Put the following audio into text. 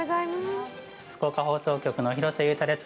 福岡放送局の廣瀬雄大です。